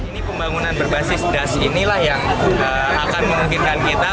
ini pembangunan berbasis das inilah yang akan memungkinkan kita